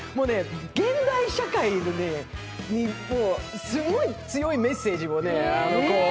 現代社会にすごい強いメッセージを。